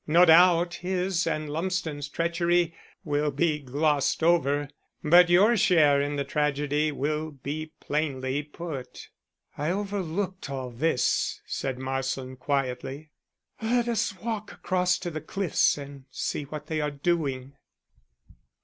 No doubt his and Lumsden's treachery will be glossed over, but your share in the tragedy will be plainly put." "I overlooked all this," said Marsland quietly. "Let us walk across to the cliffs and see what they are doing."